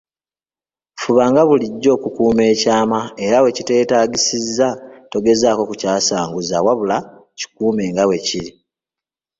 Fubanga bulijjo okukuuma ekyama era wekiteetagisiza togezaako kukyasanguza, wabula kikuume nga bwekiri.